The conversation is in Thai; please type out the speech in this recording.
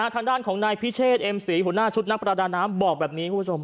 ทางด้านของนายพิเชษเอ็มศรีหัวหน้าชุดนักประดาน้ำบอกแบบนี้คุณผู้ชม